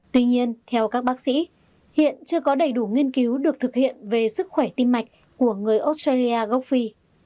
tuy nhiên theo các bác sĩ hiện chưa có đầy đủ nghiên cứu được thực hiện về sức khỏe tim mạch của người australia gốc phi